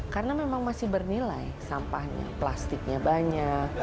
karena memang masih bernilai sampahnya plastiknya banyak